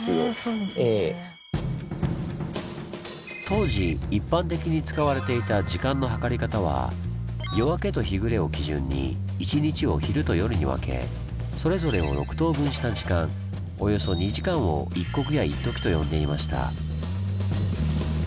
当時一般的に使われていた時間の計り方は夜明けと日暮れを基準に一日を昼と夜に分けそれぞれを６等分した時間およそ２時間を「一刻」や「一時」と呼んでいました。